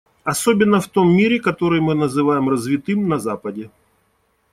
Особенно в том мире, который мы называем «развитым» - на Западе.